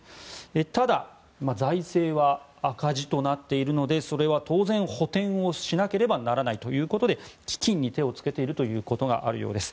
ただ、財政は赤字となっているのでそれは当然補てんをしなければならないということで基金に手をつけているということがあるようです。